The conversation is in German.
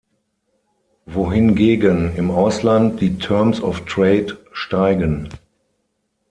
Wohingegen im Ausland die Terms of Trade steigen.